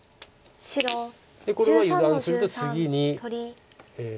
でこれは油断すると次に。